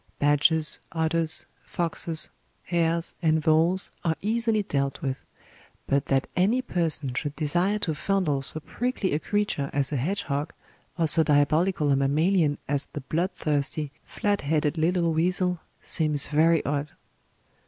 Badgers, otters, foxes, hares, and voles are easily dealt with; but that any person should desire to fondle so prickly a creature as a hedgehog, or so diabolical a mammalian as the bloodthirsty flat headed little weasel, seems very odd.